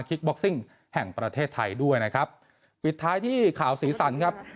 บ็อกซิ่งแห่งประเทศไทยด้วยนะครับปิดท้ายที่ข่าวสีสันครับ